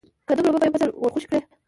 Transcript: که دومره اوبه په یو فصل ورخوشې کړې